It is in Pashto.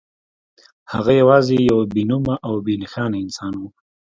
هغه یوازې یو بې نومه او بې نښانه انسان و